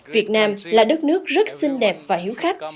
việt nam là đất nước rất xinh đẹp và hiếu khách